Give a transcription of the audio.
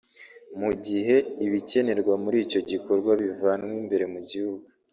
mu gihe ibikenerwa muri icyo gikorwa bivanwa imbere mu gihugu